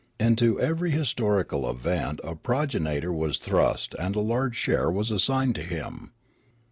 Into every historical event a progenitor was thrust and a large share was assigned to him.